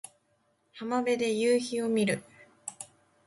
浜辺で夕陽を見る